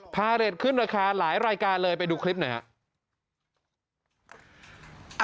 พาเรทขึ้นราคาหลายรายการเลยไปดูคลิปหน่อยครับ